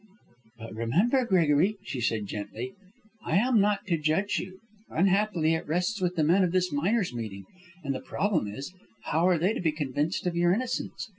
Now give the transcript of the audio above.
"But remember, Gregory," she said, gently, "I am not to judge you. Unhappily, it rests with the men of this miners' meeting, and the problem is: how are they to be convinced of your innocence?